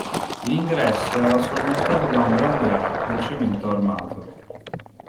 L'ingresso era sormontato da un grande arco in cemento armato.